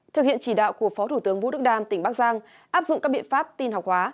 thực hiện chỉ đạo của phó thủ tướng vũ đức đam tỉnh bắc giang áp dụng các biện pháp tin học hóa